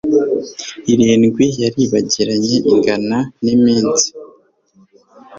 irindwi yaribagiranye ingana n iminsi